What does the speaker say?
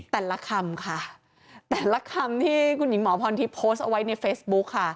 แต่ละคำค่ะแต่ละคำที่คุณหญิงหมอพรทิพย์โพสต์เอาไว้ในเฟซบุ๊คค่ะ